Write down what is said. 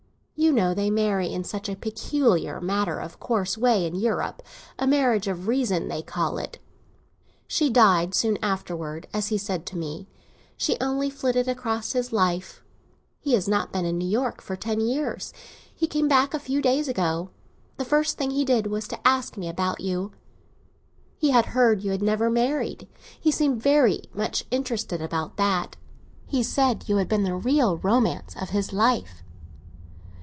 You know they marry in such a peculiar matter of course way in Europe; a marriage of reason they call it. She died soon afterwards; as he said to me, she only flitted across his life. He has not been in New York for ten years; he came back a few days ago. The first thing he did was to ask me about you. He had heard you had never married; he seemed very much interested about that. He said you had been the real romance of his life."